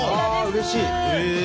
うれしい！